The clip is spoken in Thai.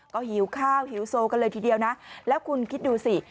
ก็หิวข้าวหิวโซกันเลยทีเดียวนะแล้วคุณคิดดูสิ